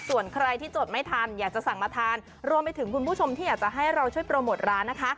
ส่วนใครที่จดไม่ทันอยากจะสั่งมาทานรวมไปถึงคุณผู้ชมที่อยากจะให้เราช่วยโปรโมทร้านนะคะ